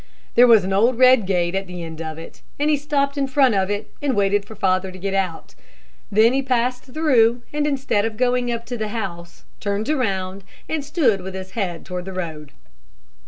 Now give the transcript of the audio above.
There was an old red gate at the end of it, and he stopped in front of it, and waited for father to get out. Then he passed through, and instead of going up to the house, turned around, and stood with his head toward the road.